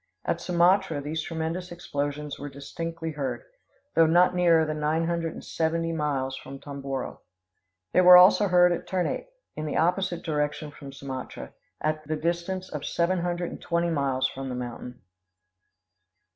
At Sumatra these tremendous explosions were distinctly heard, though not nearer than nine hundred and seventy miles from Tomboro. They were also heard at Ternate, in the opposite direction from Sumatra, at the distance of seven hundred and twenty miles from the mountain.